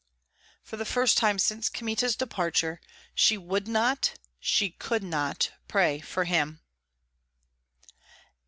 The first time since Kmita's departure she would not, she could not pray for him.